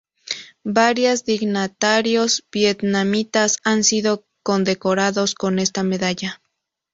Varias dignatarios vietnamitas han sido condecorados con esta medalla.